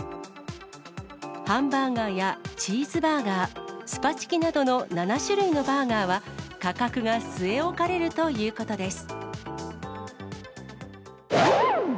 ハンバーガーやチーズバーガー、スパチキなどの７種類のバーガーは、価格が据え置かれるということです。